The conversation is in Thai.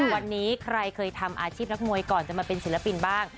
วันนี้ใครเคยทำอาชีพนักมวยก่อนจะมาเป็นศิลปินบ้าง